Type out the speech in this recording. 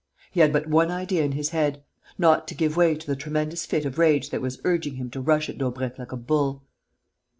He had but one idea in his head: not to give way to the tremendous fit of rage that was urging him to rush at Daubrecq like a bull.